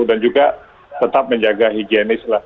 dan juga tetap menjaga higienis